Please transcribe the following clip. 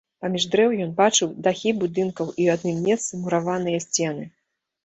Паміж дрэў ён бачыў дахі будынкаў і ў адным месцы мураваныя сцены.